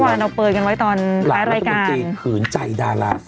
หลังแล้วต้องเป็นเจริญขืนใจดาราสาว